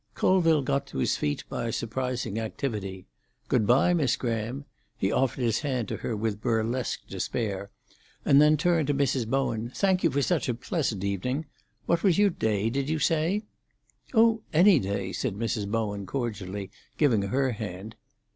Colville got to his feet by a surprising activity. "Good bye, Miss Graham." He offered his hand to her with burlesque despair, and then turned to Mrs. Bowen. "Thank you for such a pleasant evening! What was your day, did you say?" "Oh, any day!" said Mrs. Bowen cordially, giving her hand.